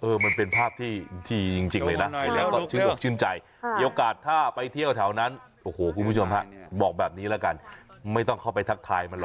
เออมันเป็นภาพที่จริงเลยนะแล้วก็ชื่นอกชื่นใจโอ้โหคุณผู้ชมฮะบอกแบบนี้แล้วกันไม่ต้องเข้าไปทักทายมันหรอก